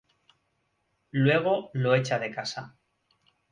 Luego, lo echa de la casa.